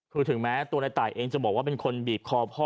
คือถึงแม้ตัวในตายเองจะบอกว่าเป็นคนบีบคอพ่อ